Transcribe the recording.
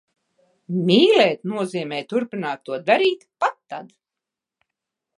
Mīlēt nozīmē turpināt to darīt - pat tad.